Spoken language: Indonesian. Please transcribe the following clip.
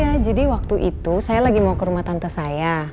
ya jadi waktu itu saya lagi mau ke rumah tante saya